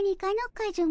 カズマ。